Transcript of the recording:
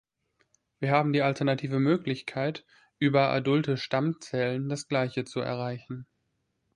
Wir haben die alternative Möglichkeit, über adulte Stammzellen das gleiche zu erreichen.